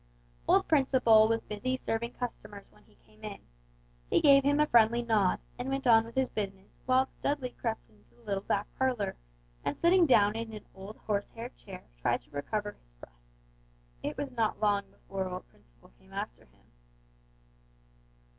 Old Principle was busy serving customers when he came in; he gave him a friendly nod, and went on with his business whilst Dudley crept into the little back parlor, and sitting down in an old horsehair chair tried to recover his breath. It was not long before old Principle came after him.